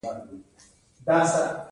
انسان جامې او خوراکي توکي تولیدوي